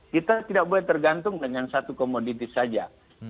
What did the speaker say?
kita tidak boleh tergantung dengan satu komoditi saja